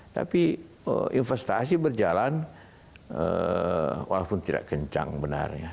tapi investasi berjalan walaupun tidak kencang benarnya